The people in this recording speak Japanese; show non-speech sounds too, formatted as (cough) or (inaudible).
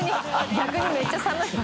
逆にめっちゃ寒い (laughs)